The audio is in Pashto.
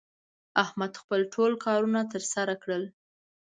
احمد خپل ټول کارونه تر سره کړل